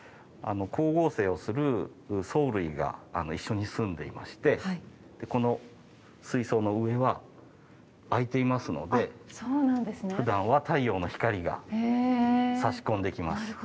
光合成をする藻類が一緒に住んでいましてこの水槽の上は開いていますのでふだんは太陽の光がさし込んできます。